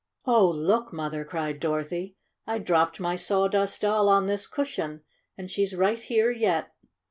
4 ' Oh, look, Mother !'' cried Dorothy. 4 6 1 dropped my Sawdust Doll on this cushion and she's right here yet!"